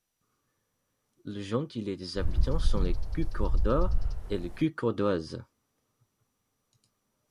Le gentilé des habitants sont les Coucourdois et Coucourdoises.